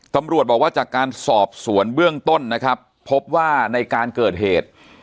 ตำรวจบอกว่าจากการสอบสวนเบื้องต้นนะครับพบว่าในการเกิดเหตุ